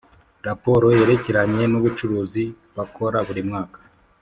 raporo yerekeranye n’ubucuruzi bakora buri mwaka